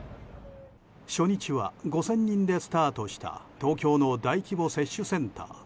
初日は５０００人でスタートした東京の大規模接種センター。